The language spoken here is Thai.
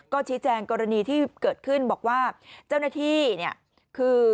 ก็ชี้แจงกรณีที่เกิดขึ้นบอกว่าเจ้าหน้าที่เนี่ยคือ